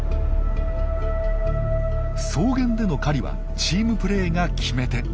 草原での狩りはチームプレーが決め手。